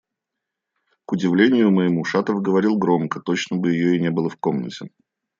К удивлению моему, Шатов говорил громко, точно бы ее и не было в комнате.